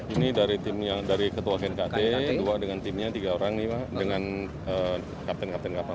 ini dari ketua wakil kt dua dengan timnya tiga orang dengan kapten kapten kapal